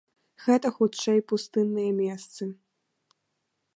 Гэта хутчэй пустынныя месцы.